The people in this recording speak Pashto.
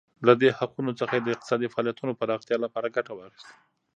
له دې حقونو څخه یې د اقتصادي فعالیتونو پراختیا لپاره ګټه واخیسته.